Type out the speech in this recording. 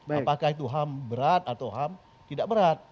apakah itu ham berat atau ham tidak berat